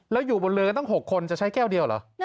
แล้วอยู่บนเรือตั้ง๖คนจะใช้แก้วเดียวเหรอ